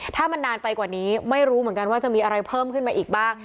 ถ้ามันนานไปกว่านี้ไม่รู้เหมือนกันว่าจะมีอะไรเพิ่มขึ้นมาอีกบ้าง